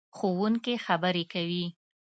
ښوونکې خبرې کوي.